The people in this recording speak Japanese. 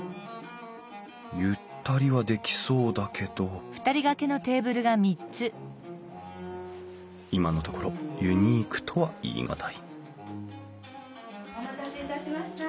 ゆったりはできそうだけど今のところユニークとは言い難いお待たせいたしました。